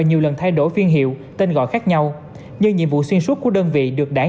nhiều lần thay đổi phiên hiệu tên gọi khác nhau như nhiệm vụ xuyên suốt của đơn vị được đảng